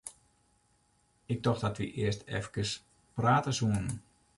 Ik tocht dat wy earst eefkes prate soene.